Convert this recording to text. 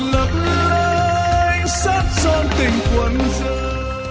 lập lệnh sát son tình quân dân